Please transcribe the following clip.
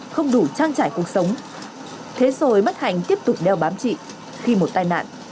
không đủ trang trải cuộc sống thế rồi mất hành tiếp tục đeo bám chị khi một tai nạn